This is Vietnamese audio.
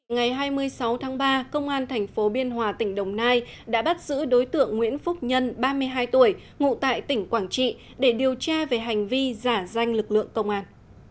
ngày hai mươi sáu tháng ba công an thành phố biên hòa tỉnh đồng nai đã bắt giữ đối tượng nguyễn phúc nhân ba mươi hai tuổi ngụ tại tỉnh quảng trị để điều tra về hành vi giả danh lực lượng công an